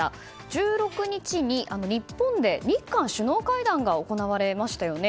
１６日に日本で日韓首脳会談が行われましたよね。